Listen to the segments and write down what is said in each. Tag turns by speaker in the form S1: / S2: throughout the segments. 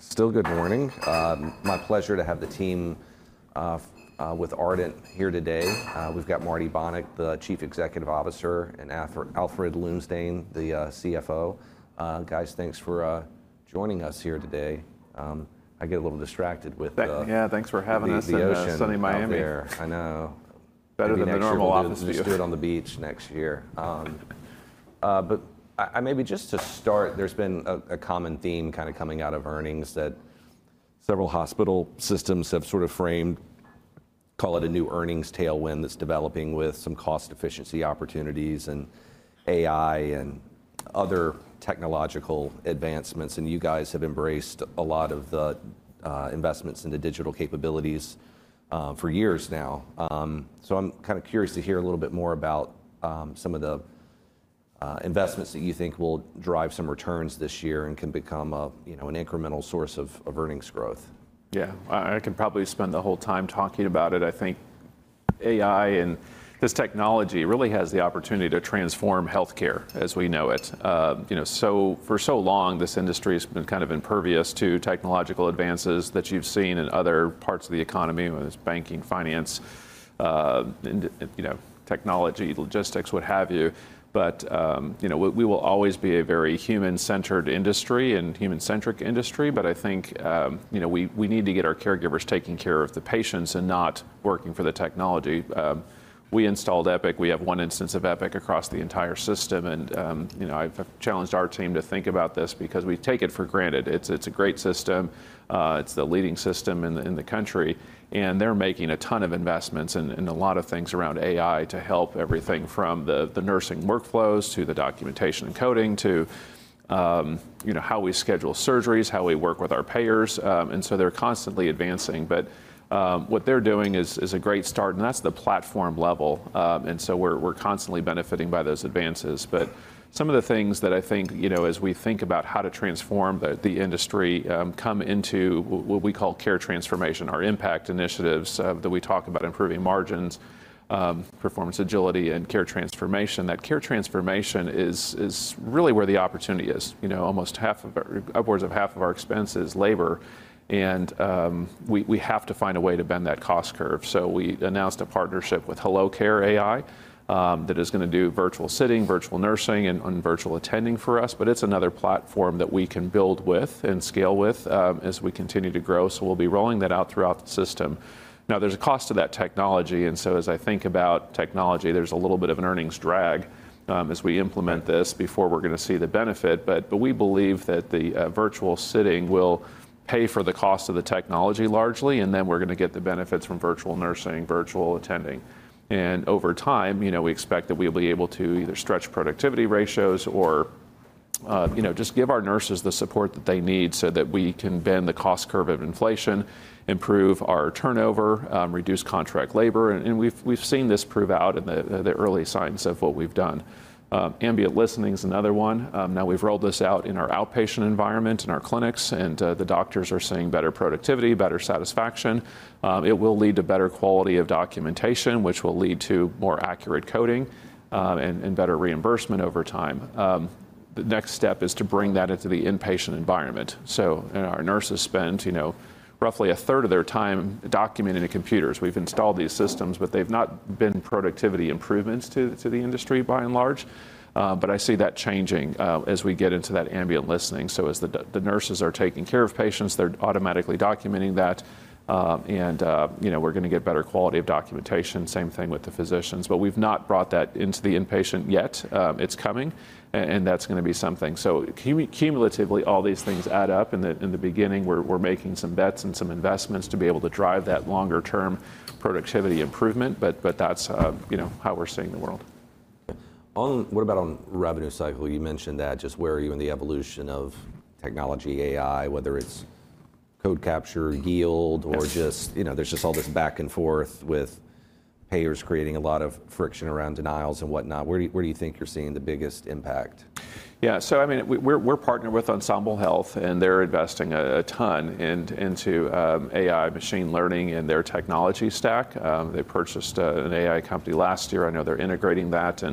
S1: Still good morning. My pleasure to have the team with Ardent here today. We've got Marty Bonick, the Chief Executive Officer, and Alfred Lumsdaine, the CFO. Guys, thanks for joining us here today. I get a little distracted with-
S2: Yeah, thanks for having us-...
S1: the ocean-...
S2: in sunny Miami....
S1: out there. I know.
S2: Better than a normal office view.
S1: Maybe next year we'll just do it on the beach next year. I maybe just to start, there's been a common theme kinda coming out of earnings that several hospital systems have sort of framed, call it a new earnings tailwind that's developing with some cost efficiency opportunities, and AI, and other technological advancements. You guys have embraced a lot of the investments into digital capabilities for years now. I'm kinda curious to hear a little bit more about some of the investments that you think will drive some returns this year and can become a, you know, an incremental source of earnings growth.
S2: Yeah. I can probably spend the whole time talking about it. I think AI and this technology really has the opportunity to transform healthcare as we know it. You know, for so long this industry's been kind of impervious to technological advances that you've seen in other parts of the economy, whether it's banking, finance, and, you know, technology, logistics, what have you. You know, we will always be a very human-centered industry and human-centric industry, but I think, you know, we need to get our caregivers taking care of the patients and not working for the technology. We installed Epic. We have one instance of Epic across the entire system, and, you know, I've challenged our team to think about this because we take it for granted. It's, it's a great system. It's the leading system in the country, and they're making a ton of investments in a lot of things around AI to help everything from the nursing workflows to the documentation and coding to, you know, how we schedule surgeries, how we work with our payers. They're constantly advancing. What they're doing is a great start, and that's the platform level. We're constantly benefiting by those advances. Some of the things that I think, you know, as we think about how to transform the industry, come into what we call care transformation, our impact initiatives, that we talk about improving margins, performance agility and care transformation. That care transformation is really where the opportunity is. You know, almost half of our, upwards of 1/2 of our expense is labor, and we have to find a way to bend that cost curve. We announced a partnership with hellocare.ai that is gonna do virtual sitting, virtual nursing, and virtual attending for us, but it's another platform that we can build with and scale with as we continue to grow. We'll be rolling that out throughout the system. Now, there's a cost to that technology, and so as I think about technology, there's a little bit of an earnings drag as we implement this before we're gonna see the benefit. But we believe that the virtual sitting will pay for the cost of the technology largely, and then we're gonna get the benefits from virtual nursing, virtual attending. Over time, you know, we expect that we'll be able to either stretch productivity ratios or, you know, just give our nurses the support that they need so that we can bend the cost curve of inflation, improve our turnover, reduce contract labor. We've seen this prove out in the early signs of what we've done. Ambient listening is another one. Now we've rolled this out in our outpatient environment in our clinics, and the doctors are seeing better productivity, better satisfaction. It will lead to better quality of documentation, which will lead to more accurate coding, and better reimbursement over time. The next step is to bring that into the inpatient environment. You know, our nurses spend, you know, roughly 1/3 of their time documenting in computers. We've installed these systems, but they've not been productivity improvements to the industry by and large, but I see that changing as we get into that ambient listening. As the nurses are taking care of patients, they're automatically documenting that, and, you know, we're gonna get better quality of documentation. Same thing with the physicians. We've not brought that into the inpatient yet. It's coming and that's gonna be something. Cumulatively, all these things add up. In the beginning, we're making some bets and some investments to be able to drive that longer term productivity improvement, but that's, you know, how we're seeing the world.
S1: What about on revenue cycle? You mentioned that. Just where are you in the evolution of technology, AI, whether it's code capture, yield-
S2: Yes....
S1: or just, you know, there's just all this back and forth with payers creating a lot of friction around denials and whatnot. Where do you think you're seeing the biggest impact?
S2: Yeah. I mean, we're partnering with Ensemble Health, they're investing a ton into AI machine learning in their technology stack. They purchased an AI company last year. I know they're integrating that,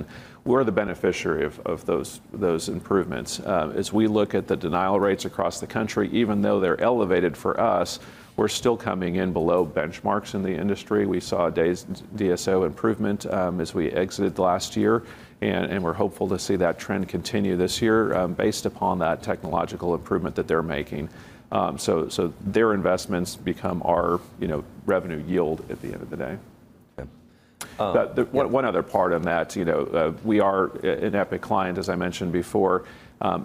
S2: we're the beneficiary of those improvements. As we look at the denial rates across the country, even though they're elevated for us, we're still coming in below benchmarks in the industry. We saw days, DSO improvement, as we exited last year, and we're hopeful to see that trend continue this year, based upon that technological improvement that they're making. So their investments become our, you know, revenue yield at the end of the day.
S1: Okay.
S2: The one other part on that, you know, we are an Epic client, as I mentioned before.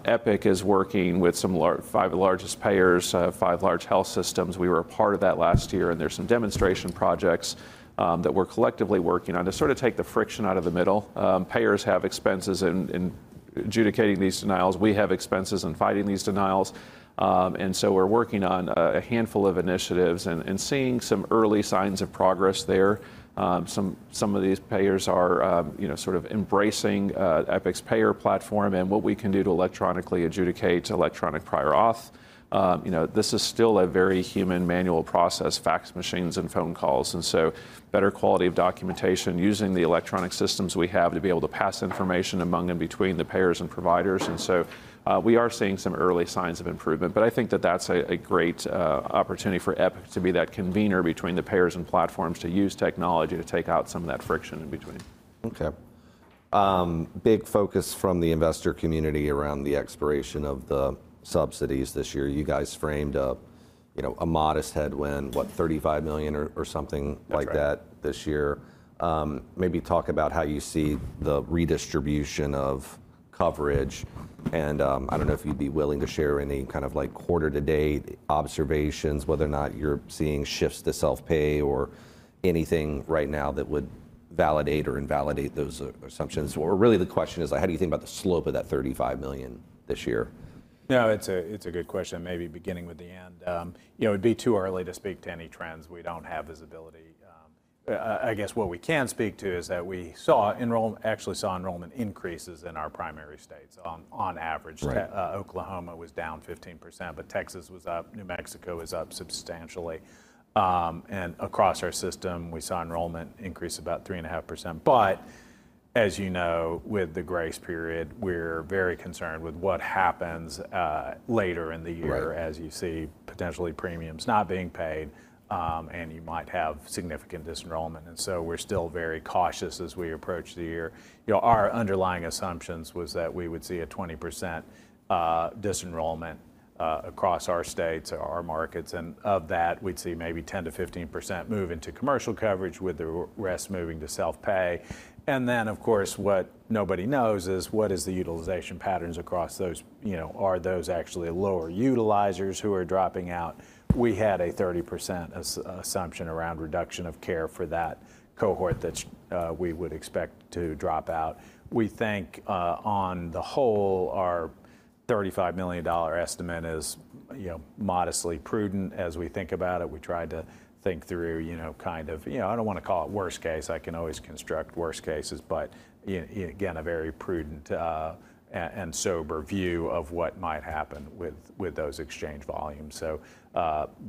S2: Epic is working with some five of the largest payers, five large health systems. We were a part of that last year. There's some demonstration projects that we're collectively working on to sort of take the friction out of the middle. Payers have expenses in adjudicating these denials. We have expenses in fighting these denials. We're working on a handful of initiatives and seeing some early signs of progress there. Some of these payers are, you know, sort of embracing Epic's payer platform and what we can do to electronically adjudicate electronic. You know, this is still a very human manual process, fax machines and phone calls, better quality of documentation using the electronic systems we have to be able to pass information among and between the payers and providers. We are seeing some early signs of improvement. I think that that's a great opportunity for Epic to be that convener between the payers and platforms to use technology to take out some of that friction in between.
S1: Big focus from the investor community around the expiration of the subsidies this year. You guys framed up, you know, a modest headwind, what, $35 million or something like that-
S2: That's right....
S1: this year. Maybe talk about how you see the redistribution of coverage and, I don't know if you'd be willing to share any kind of like quarter to date observations, whether or not you're seeing shifts to self-pay or anything right now that would validate or invalidate those assumptions. Really the question is like how do you think about the slope of that $35 million this year?
S3: No, it's a, it's a good question. Maybe beginning with the end. You know, it'd be too early to speak to any trends. We don't have visibility. I guess what we can speak to is that we actually saw enrollment increases in our primary states on average.
S1: Right.
S3: Oklahoma was down 15%, but Texas was up, New Mexico was up substantially. Across our system we saw enrollment increase about 3.5%. As you know, with the grace period, we're very concerned with what happens later in the year-
S1: Right....
S3: as you see potentially premiums not being paid, and you might have significant disenrollment. We're still very cautious as we approach the year. You know, our underlying assumptions was that we would see a 20% disenrollment across our states, our markets, and of that, we'd see maybe 10%-15% move into commercial coverage with the rest moving to self-pay. Of course, what nobody knows is what is the utilization patterns across those. You know, are those actually lower utilizers who are dropping out? We had a 30% assumption around reduction of care for that cohort that we would expect to drop out. We think, on the whole, our $35 million estimate is, you know, modestly prudent as we think about it. We tried to think through, you know, kind of...You know, I don't wanna call it worst case. I can always construct worst cases, but again, a very prudent and sober view of what might happen with those exchange volumes.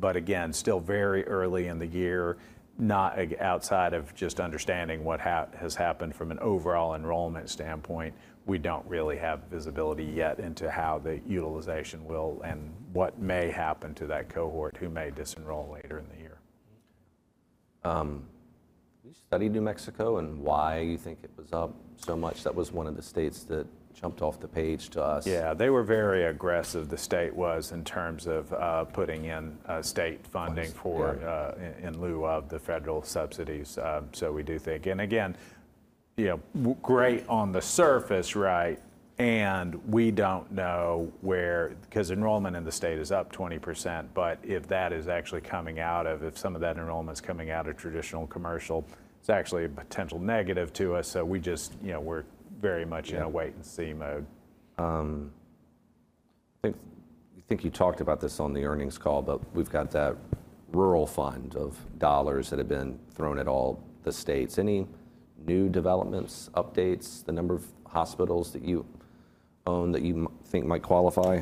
S3: Again, still very early in the year, not outside of just understanding what has happened from an overall enrollment standpoint, we don't really have visibility yet into how the utilization will, and what may happen to that cohort who may disenroll later in the year.
S1: Did you study New Mexico and why you think it was up so much? That was one of the states that jumped off the page to us.
S3: Yeah, they were very aggressive, the state was, in terms of, putting in, state funding for-
S1: Yeah....
S3: in lieu of the federal subsidies. We do think... Again, you know, great on the surface, right? We don't know where... 'Cause enrollment in the state is up 20%, but if that is actually coming out of, if some of that enrollment's coming out of traditional commercial, it's actually a potential negative to us. We just, you know, we're very much in a wait and see mode.
S1: Yeah. I think you talked about this on the earnings call, but we've got that rural fund of dollars that have been thrown at all the states. Any new developments, updates, the number of hospitals that you own that you think might qualify?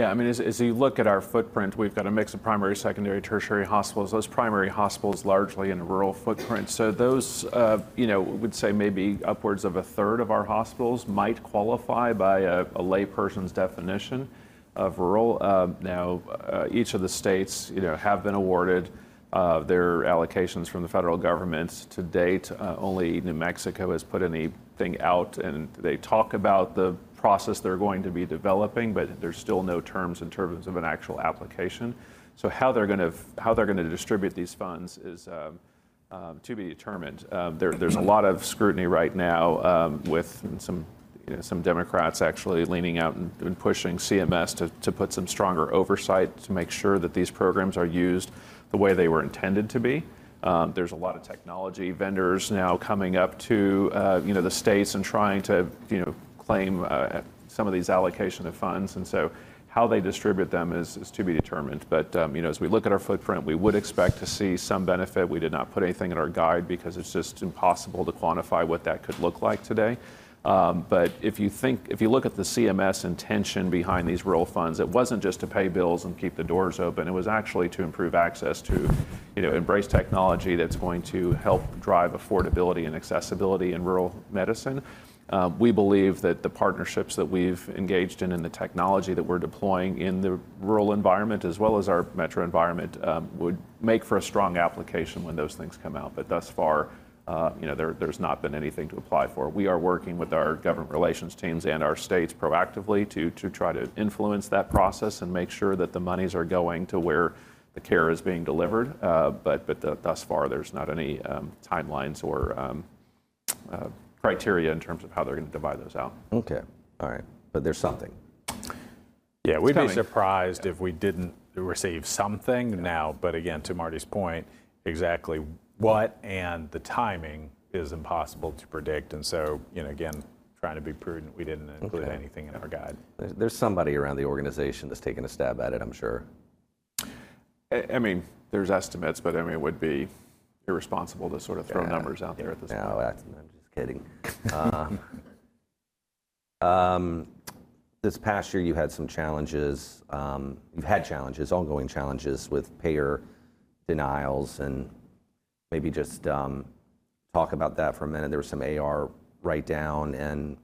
S2: Yeah, I mean, as you look at our footprint, we've got a mix of primary, secondary, tertiary hospitals. Those primary hospitals largely in rural footprints. Those, you know, would say maybe upwards of 1/3 of our hospitals might qualify by a lay person's definition of rural. Now, each of the states, you know, have been awarded their allocations from the Federal Government. To date, only New Mexico has put anything out, they talk about the process they're going to be developing, there's still no terms in terms of an actual application. How they're gonna distribute these funds is to be determined. There's a lot-
S1: Okay....
S2: of scrutiny right now, with, and some, you know, some Democrats actually leaning out and pushing CMS to put some stronger oversight to make sure that these programs are used the way they were intended to be. There's a lot of technology vendors now coming up to, you know, the states and trying to, you know, claim some of these allocation of funds. How they distribute them is to be determined. you know, as we look at our footprint, we would expect to see some benefit. We did not put anything in our guide because it's just impossible to quantify what that could look like today. If you think, if you look at the CMS intention behind these rural funds, it wasn't just to pay bills and keep the doors open, it was actually to improve access to, you know, embrace technology that's going to help drive affordability and accessibility in rural medicine. We believe that the partnerships that we've engaged in and the technology that we're deploying in the rural environment as well as our metro environment, would make for a strong application when those things come out. Thus far, you know, there's not been anything to apply for. We are working with our government relations teams and our states proactively to try to influence that process and make sure that the monies are going to where the care is being delivered. Thus far, there's not any timelines or criteria in terms of how they're gonna divide those out.
S1: Okay. All right. There's something.
S3: Yeah. We'd be surprised-
S1: It's coming....
S3: if we didn't receive something. Again, to Marty's point, exactly what and the timing is impossible to predict. You know, again, trying to be prudent, we didn't include-
S1: Okay....
S3: anything in our guide.
S1: There's somebody around the organization that's taken a stab at it, I'm sure.
S3: I mean, there's estimates, I mean, it would be irresponsible to sort of throw numbers out there at this point.
S1: No, I'm just kidding. This past year you had some challenges, you've had challenges, ongoing challenges with payer denials and maybe just talk about that for a minute. There was some AR write-down and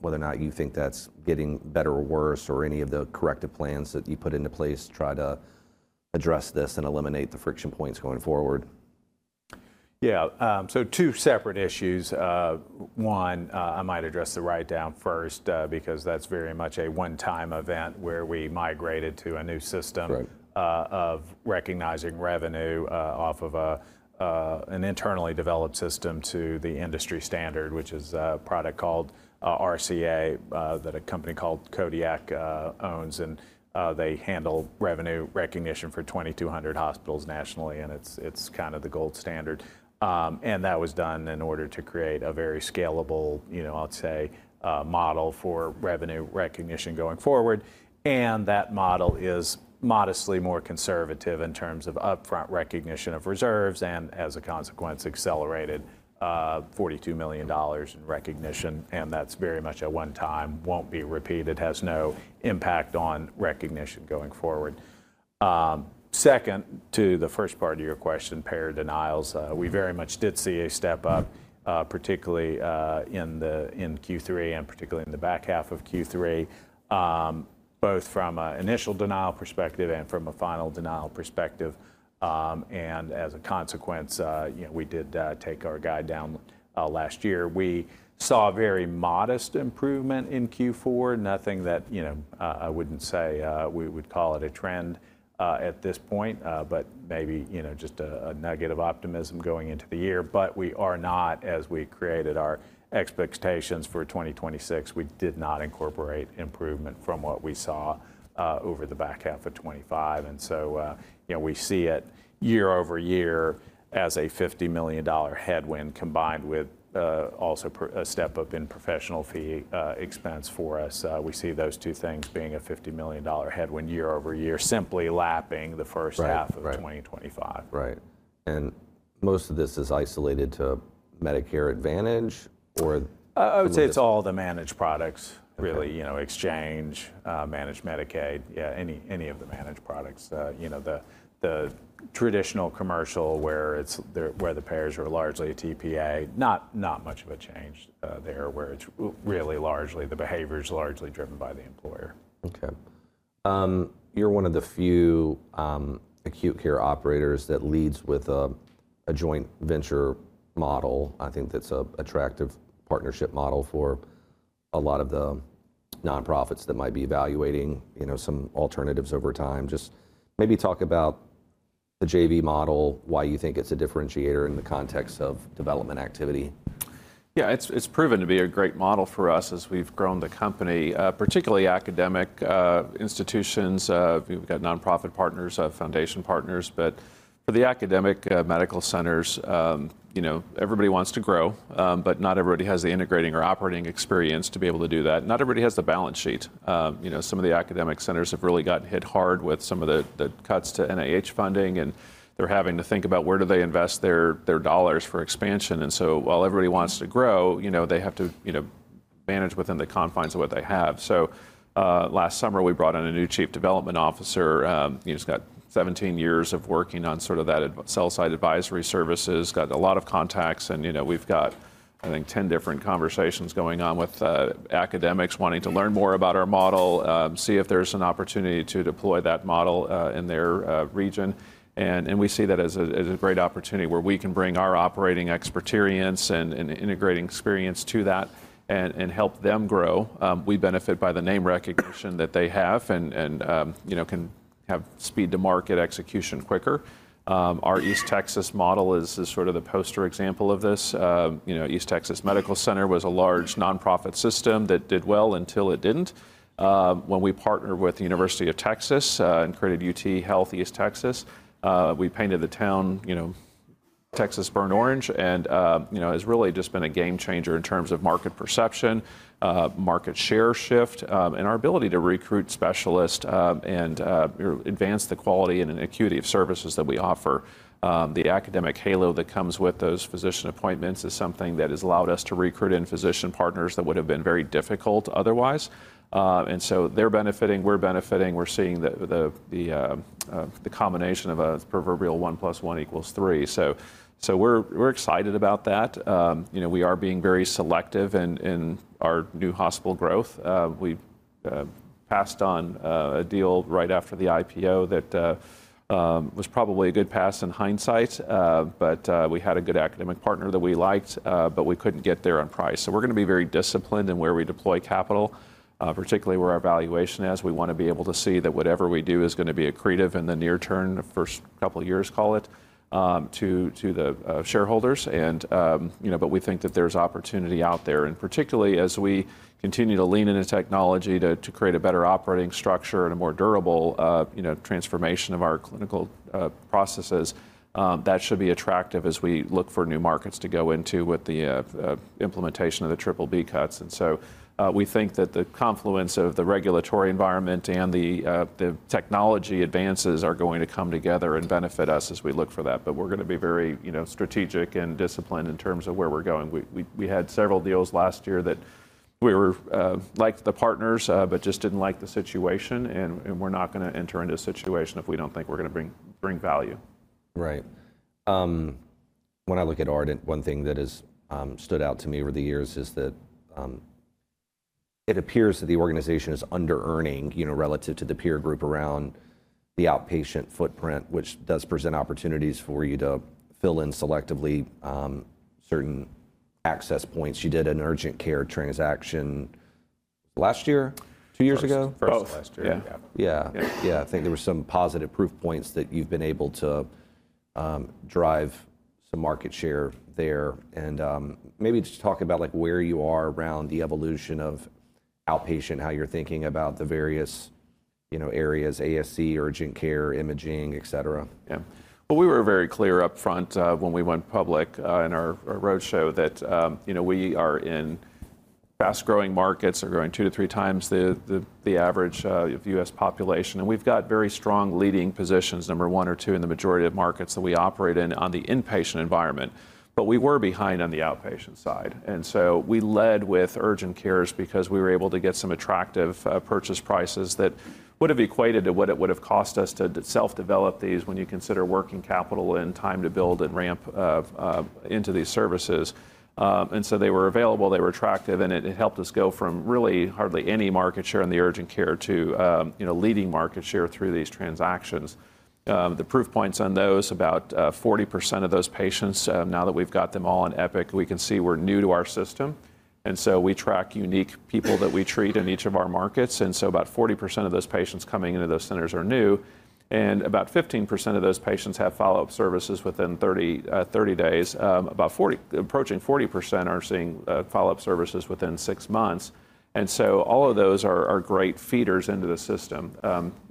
S1: whether or not you think that's getting better or worse, or any of the corrective plans that you put into place to try to address this and eliminate the friction points going forward.
S3: Yeah. Two separate issues. One, I might address the write-down first, because that's very much a one-time event where we migrated to a new system-
S1: Right....
S3: of recognizing revenue, off of a, an internally developed system to the industry standard, which is a product called RCA, that a company called Kodiak owns. They handle revenue recognition for 2,200 hospitals nationally, and it's kind of the gold standard. That was done in order to create a very scalable, you know, I'll say, model for revenue recognition going forward. That model is modestly more conservative in terms of upfront recognition of reserves, and as a consequence, accelerated $42 million in recognition, and that's very much a one-time, won't be repeated, has no impact on recognition going forward. Second, to the first part of your question, payer denials, we very much did see a step-up, particularly in Q3, and particularly in the back half of Q3, both from a initial denial perspective and from a final denial perspective. As a consequence, you know, we did take our guide down last year. We saw a very modest improvement in Q4. Nothing that, you know, I wouldn't say we would call it a trend at this point. Maybe, you know, just a nugget of optimism going into the year. We are not, as we created our expectations for 2026, we did not incorporate improvement from what we saw over the back half of 2025. You know, we see it year-over-year as a $50 million headwind combined with also a step-up in professional fee expense for us. We see those two things being a $50 million headwind year-over-year, simply lapping the first half-
S1: Right. Right....
S3: of 2025.
S1: Right. Most of this is isolated to Medicare Advantage?
S3: I would say it's all the managed products-
S1: Okay....
S3: really. You know, exchange, managed Medicaid. Yeah, any of the managed products. You know, the traditional commercial where the payers are largely a TPA, not much of a change, there where it's really largely, the behavior's largely driven by the employer.
S1: Okay. You're one of the few acute care operators that leads with a joint venture model. I think that's a attractive partnership model for a lot of the nonprofits that might be evaluating, you know, some alternatives over time. Just maybe talk about the JV model, why you think it's a differentiator in the context of development activity.
S2: Yeah. It's proven to be a great model for us as we've grown the company, particularly academic institutions. We've got nonprofit partners, foundation partners, for the academic medical centers, you know, everybody wants to grow, not everybody has the integrating or operating experience to be able to do that. Not everybody has the balance sheet. You know, some of the academic centers have really gotten hit hard with some of the cuts to NIH funding, they're having to think about where do they invest their dollars for expansion. While everybody wants to grow, you know, they have to, you know, manage within the confines of what they have. Last summer, we brought on a new chief development officer, who's got 17 years of working on sort of that sell side advisory services. Got a lot of contacts. You know, we've got, I think, 10 different conversations going on with academics wanting to learn more about our model, see if there's an opportunity to deploy that model in their region. We see that as a great opportunity where we can bring our operating experterience and integrating experience to that and help them grow. We benefit by the name recognition that they have, and, you know, can have speed to market execution quicker. Our East Texas model is sort of the poster example of this. You know, East Texas Medical Center was a large nonprofit system that did well until it didn't. When we partnered with the University of Texas, and created UT Health East Texas, we painted the town, you know, Texas burnt orange, and, you know, has really just been a game changer in terms of market perception, market share shift, and our ability to recruit specialists, and or advance the quality and acuity of services that we offer. The academic halo that comes with those physician appointments is something that has allowed us to recruit in physician partners that would've been very difficult otherwise. They're benefiting, we're benefiting. We're seeing the combination of a proverbial 1 + 1 = 3. We're excited about that. You know, we are being very selective in our new hospital growth. We passed on a deal right after the IPO that was probably a good pass in hindsight. We had a good academic partner that we liked, but we couldn't get there on price. We're gonna be very disciplined in where we deploy capital, particularly where our valuation is. We wanna be able to see that whatever we do is gonna be accretive in the near term, the first couple years call it, to the shareholders. You know, we think that there's opportunity out there, and particularly as we continue to lean into technology to create a better operating structure and a more durable, you know, transformation of our clinical processes, that should be attractive as we look for new markets to go into with the implementation of the 340B cuts. We think that the confluence of the regulatory environment and the technology advances are going to come together and benefit us as we look for that. We're gonna be very, you know, strategic and disciplined in terms of where we're going. We had several deals last year that we were liked the partners, but just didn't like the situation, and we're not gonna enter into a situation if we don't think we're gonna bring value.
S1: Right. When I look at Ardent, one thing that has stood out to me over the years is that it appears that the organization is under-earning, you know, relative to the peer group around the outpatient footprint, which does present opportunities for you to fill in selectively, certain access points. You did an urgent care transaction last year? Two years ago?
S2: Both.
S3: Last year.
S2: Yeah.
S1: Yeah. Yeah. I think there were some positive proof points that you've been able to, drive some market share there. Maybe just talk about like where you are around the evolution of outpatient, how you're thinking about the various, you know, areas, ASC, urgent care, imaging, et cetera.
S2: Yeah. Well, we were very clear up front, when we went public, in our roadshow that, you know, we are in fast-growing markets. We're growing two to three times the average of the U.S. population, and we've got very strong leading positions, number one or two in the majority of markets that we operate in on the inpatient environment. We were behind on the outpatient side. We led with urgent cares because we were able to get some attractive purchase prices that would have equated to what it would have cost us to self-develop these when you consider working capital and time to build and ramp of into these services. They were available, they were attractive, and it helped us go from really hardly any market share in the urgent care to, you know, leading market share through these transactions. The proof points on those, about 40% of those patients, now that we've got them all on Epic, we can see were new to our system. We track unique people that we treat in each of our markets, about 40% of those patients coming into those centers are new, and about 15% of those patients have follow-up services within 30 days. About 40, approaching 40% are seeing follow-up services within six months. All of those are great feeders into the system.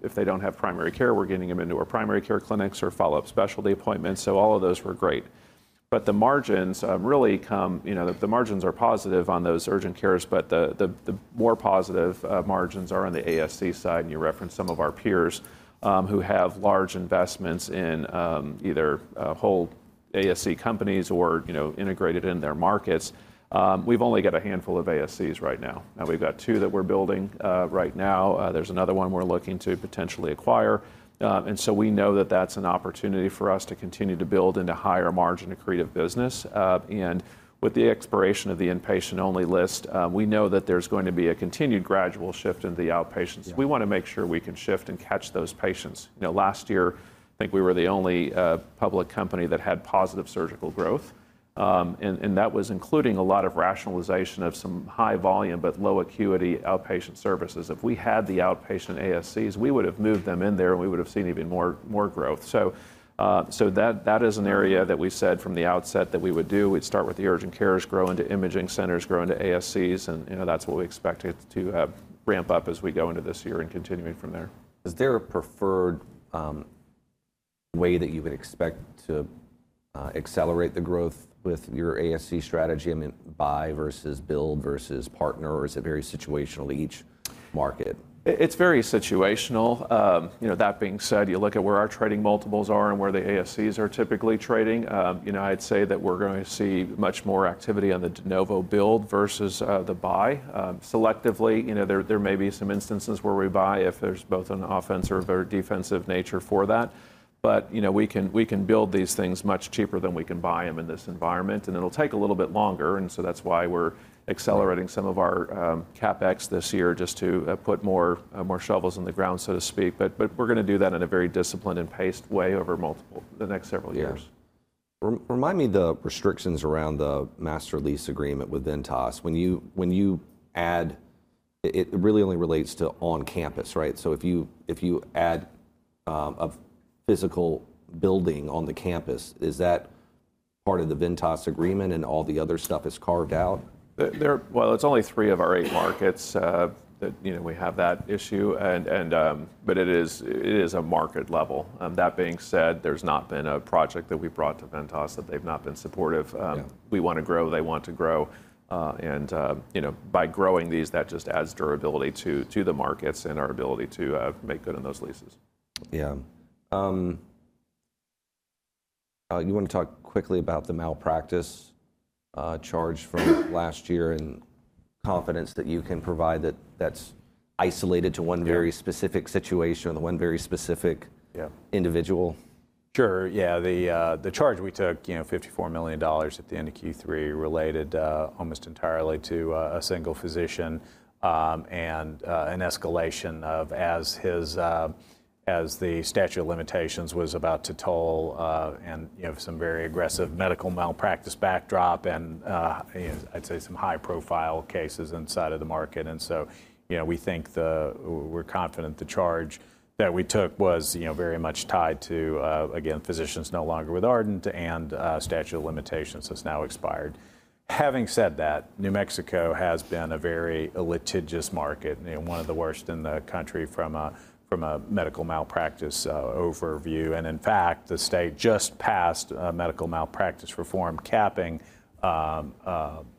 S2: If they don't have primary care, we're getting them into our primary care clinics or follow-up specialty appointments, all of those were great. The margins, you know, the margins are positive on those urgent cares, the more positive margins are on the ASC side, and you referenced some of our peers, who have large investments in, either whole ASC companies or, you know, integrated in their markets. We've only got a handful of ASCs right now. Now, we've got two that we're building right now. There's another one we're looking to potentially acquire. We know that that's an opportunity for us to continue to build into higher margin accretive business. With the expiration of the Inpatient Only list, we know that there's going to be a continued gradual shift into the outpatients.
S1: Yeah.
S2: We wanna make sure we can shift and catch those patients. You know, last year I think we were the only public company that had positive surgical growth, and that was including a lot of rationalization of some high volume but low acuity outpatient services. If we had the outpatient ASCs, we would have moved them in there and we would have seen even more growth. So that is an area that we said from the outset that we would do. We'd start with the urgent cares, grow into imaging centers, grow into ASCs, and, you know, that's what we expect it to ramp up as we go into this year and continuing from there.
S1: Is there a preferred way that you would expect to accelerate the growth with your ASC strategy? I mean, buy versus build versus partner, or is it very situational to each market?
S2: It's very situational. You know, that being said, you look at where our trading multiples are and where the ASCs are typically trading. You know, I'd say that we're going to see much more activity on the de novo build versus the buy. Selectively, you know, there may be some instances where we buy if there's both an offense or defensive nature for that. You know, we can build these things much cheaper than we can buy them in this environment, and it'll take a little bit longer, and so that's why we're accelerating some of our CapEx this year just to put more shovels in the ground, so to speak. We're gonna do that in a very disciplined and paced way over multiple, the next several years.
S1: Yeah. Remind me the restrictions around the master lease agreement with Ventas. When you add... It really only relates to on campus, right? If you add a physical building on the campus, is that part of the Ventas agreement and all the other stuff is carved out?
S2: Well, it's only three of our eight markets that, you know, we have that issue and, but it is a market level. That being said, there's not been a project that we've brought to Ventas that they've not been supportive.
S1: Yeah.
S2: We wanna grow, they want to grow. You know, by growing these, that just adds durability to the markets and our ability to make good on those leases.
S1: Yeah. You wanna talk quickly about the malpractice charge from last year and confidence that you can provide that that's isolated to one very-
S2: Yeah....
S1: specific situation or the one very specific-
S2: Yeah.
S1: individual?
S3: Sure, yeah. The charge we took, you know, $54 million at the end of Q3 related almost entirely to a single physician, and an escalation of as his as the statute of limitations was about to toll, and you have some very aggressive medical malpractice backdrop and, you know, I'd say some high profile cases inside of the market. You know, we think the we're confident the charge that we took was, you know, very much tied to again, physicians no longer with Ardent and a statute of limitations that's now expired. Having said that, New Mexico has been a very litigious market, you know, one of the worst in the country from a medical malpractice overview. In fact, the state just passed a medical malpractice reform capping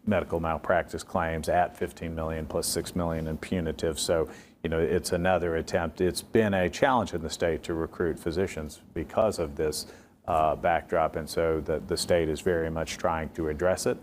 S3: medical malpractice claims at $15 million plus $6 million in punitive. You know, it's another attempt. It's been a challenge in the state to recruit physicians because of this backdrop, the state is very much trying to address it.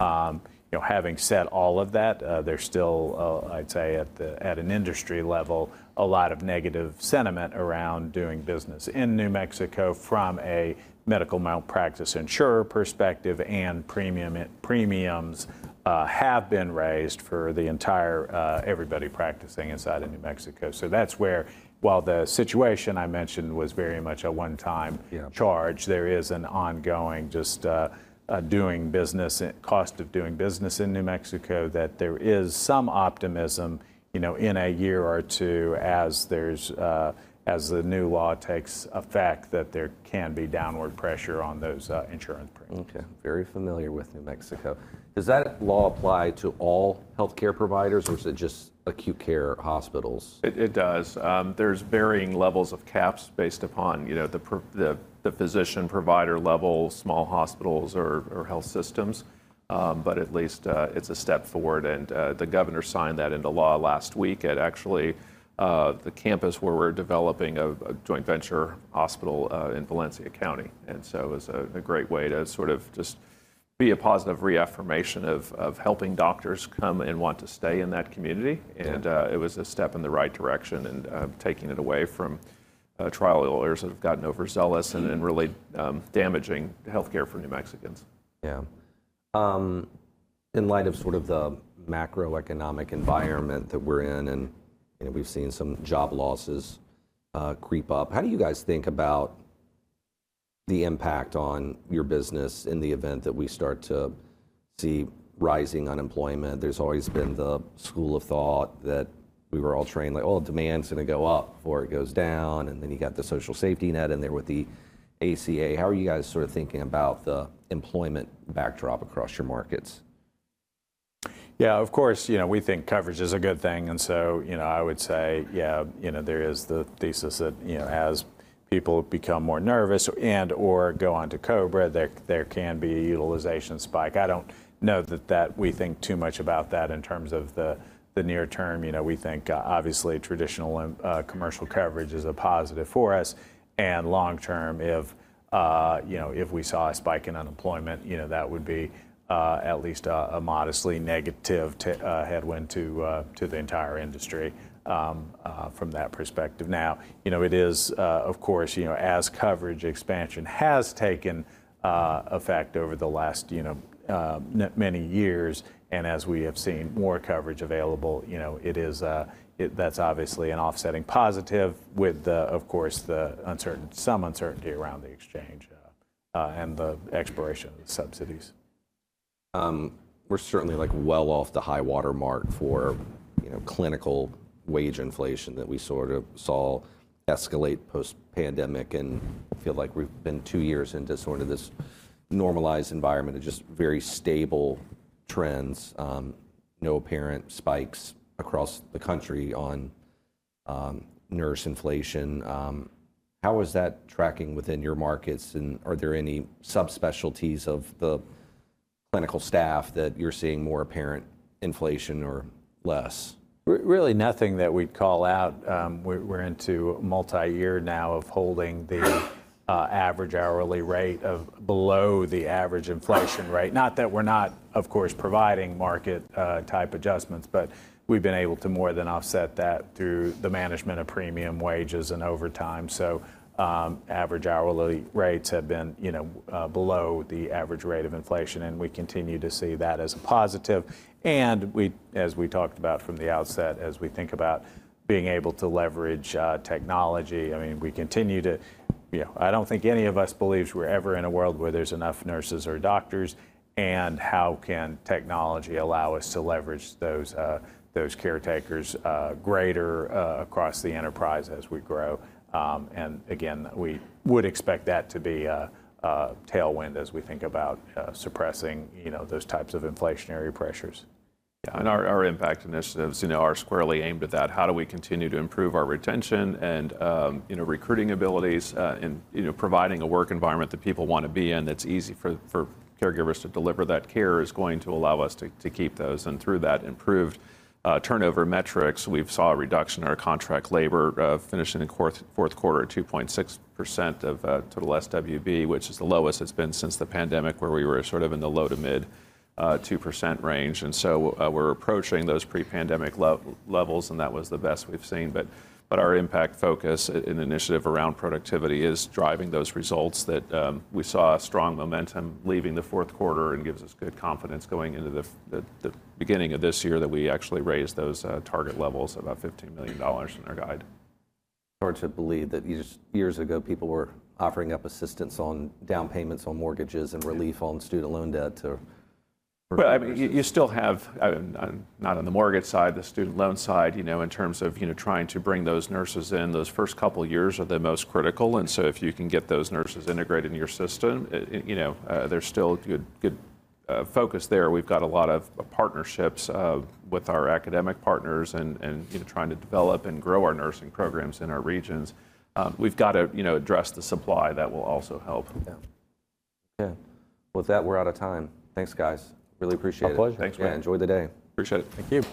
S3: You know, having said all of that, there's still, I'd say at the, at an industry level, a lot of negative sentiment around doing business in New Mexico from a medical malpractice insurer perspective, and premiums have been raised for the entire everybody practicing inside of New Mexico. That's where, while the situation I mentioned was very much a one-time-
S1: Yeah....
S3: charge, there is an ongoing just, doing business and cost of doing business in New Mexico that there is some optimism, you know, in a year or two as there's, as the new law takes effect, that there can be downward pressure on those, insurance premiums.
S1: Okay. Very familiar with New Mexico. Does that law apply to all healthcare providers, or is it just acute care hospitals?
S3: It does. There's varying levels of caps based upon the physician provider level, small hospitals or health systems. At least, it's a step forward. The governor signed that into law last week at actually the campus where we're developing a joint venture hospital in Valencia County. It was a great way to sort of just be a positive reaffirmation of helping doctors come and want to stay in that community.
S1: Yeah.
S3: It was a step in the right direction in, taking it away from, trial lawyers that have gotten overzealous-
S1: Mm....
S3: and really damaging healthcare for New Mexicans.
S1: Yeah. In light of sort of the macroeconomic environment that we're in, and, you know, we've seen some job losses, creep up, how do you guys think about the impact on your business in the event that we start to see rising unemployment? There's always been the school of thought that we were all trained like, "Oh, demand's gonna go up or it goes down," and then you got the social safety net in there with the ACA. How are you guys sort of thinking about the employment backdrop across your markets?
S3: Yeah, of course, you know, we think coverage is a good thing. You know, I would say, yeah, you know, there is the thesis that, you know, as people become more nervous and/or go onto COBRA, there can be a utilization spike. I don't know that we think too much about that in terms of the near term. You know, we think obviously traditional and commercial coverage is a positive for us. Long-term if, you know, if we saw a spike in unemployment, you know, that would be at least a modestly negative headwind to the entire industry from that perspective. You know, it is, of course, you know, as coverage expansion has taken effect over the last, you know, many years and as we have seen more coverage available, you know, it is, that's obviously an offsetting positive with the, of course, some uncertainty around the exchange, and the expiration of the subsidies.
S1: We're certainly, like, well off the high water mark for, you know, clinical wage inflation that we sort of saw escalate post-pandemic. I feel like we've been two years into sort of this normalized environment of just very stable trends. No apparent spikes across the country on nurse inflation. How is that tracking within your markets? Are there any subspecialties of the clinical staff that you're seeing more apparent inflation or less?
S3: Really nothing that we'd call out. We're into multiyear now of holding the average hourly rate below the average inflation rate. Not that we're not, of course, providing market type adjustments, but we've been able to more than offset that through the management of premium wages and overtime. Average hourly rates have been, you know, below the average rate of inflation, and we continue to see that as a positive. We, as we talked about from the outset, as we think about being able to leverage technology, I mean, you know, I don't think any of us believes we're ever in a world where there's enough nurses or doctors, and how can technology allow us to leverage those caretakers greater across the enterprise as we grow. Again, we would expect that to be a tailwind as we think about suppressing, you know, those types of inflationary pressures.
S2: Yeah. Our impact initiatives, you know, are squarely aimed at that. How do we continue to improve our retention and, you know, recruiting abilities, and, you know, providing a work environment that people wanna be in that's easy for caregivers to deliver that care is going to allow us to keep those. Through that improved turnover metrics, we've saw a reduction in our contract labor, finishing in fourth quarter at 2.6% of total SWB, which is the lowest it's been since the pandemic where we were sort of in the low to mid-2% range. We're approaching those pre-pandemic levels, and that was the best we've seen. Our impact focus initiative around productivity is driving those results that we saw a strong momentum leaving the fourth quarter and gives us good confidence going into the beginning of this year that we actually raised those target levels about $15 million in our guide.
S1: It's hard to believe that just years ago people were offering up assistance on down payments on mortgages and relief on student loan debt to...
S2: Well, I mean, you still have, not on the mortgage side, the student loan side, you know, in terms of, you know, trying to bring those nurses in. Those first couple years are the most critical, if you can get those nurses integrated into your system, it, you know, there's still a good focus there. We've got a lot of partnerships, with our academic partners, you know, trying to develop and grow our nursing programs in our regions. We've gotta, you know, address the supply. That will also help.
S1: Yeah. Yeah. With that, we're out of time. Thanks, guys. Really appreciate it.
S3: Our pleasure.
S2: Thanks, man.
S1: Yeah, enjoy the day.
S2: Appreciate it.
S3: Thank you.